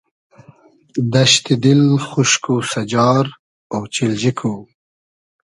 دئشتی دیل خوشک و سئجار اۉچیلجی کو